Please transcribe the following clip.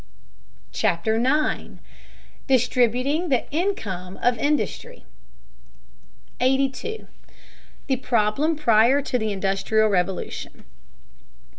CHAPTER IX DISTRIBUTING THE INCOME OF INDUSTRY 82. THE PROBLEM PRIOR TO THE INDUSTRIAL REVOLUTION.